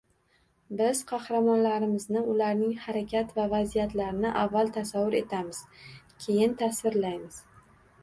Biz qahramonlarimizni ularning harakat va vaziyatlarini avval tasavvur etamiz, keyin tasvirlaymiz.